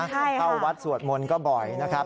เข้าวัดสวดมนต์ก็บ่อยนะครับ